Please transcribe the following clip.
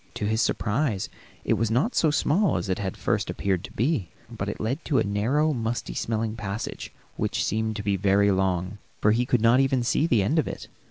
To his surprise it was not so small as it had at first appeared to be, but it led in to a narrow, musty smelling passage, which seemed to be very long, for he could not even see the end of it.